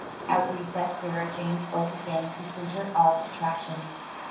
At recess Sarah Jane was again the centre of attrac tion.